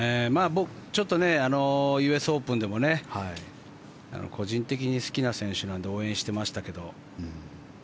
僕、ちょっとＵＳオープンでも個人的に好きな選手なので応援してましたけど。